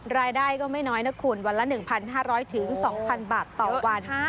รายได้ก็ไม่น้อยนะคุณวันละ๑๕๐๐๒๐๐บาทต่อวัน